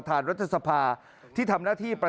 ตกลงตามนั้นนะครับ